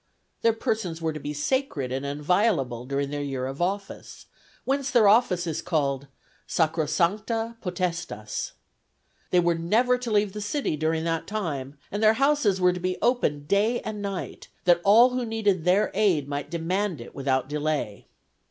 Their persons were to be sacred and inviolable during their year of office, whence their office is called sacrosancta Potestas. They were never to leave the city during that time, and their houses were to be open day and night, that all who needed their aid might demand it without delay.